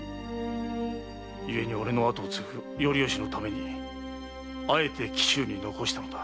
ゆえに俺の跡を継ぐ頼致のためにあえて紀州に残したのだ。